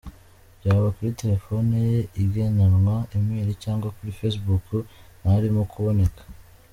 Byaba kuri telefone ye igenanwa, email cyangwa kuri facebook ntarimo kuboneka.